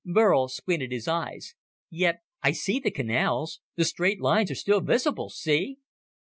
Burl squinted his eyes. "Yet I see the canals. The straight lines are still visible see?"